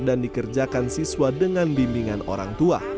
dan dikerjakan siswa dengan bimbingan orang tua